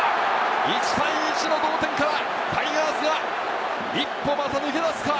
１対１の同点からタイガースが一歩、また抜け出すか？